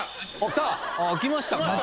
きましたか？